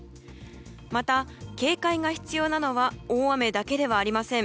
また、警戒が必要なのは大雨だけではありません。